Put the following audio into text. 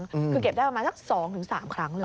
คือเก็บได้ประมาณสัก๒๓ครั้งเลย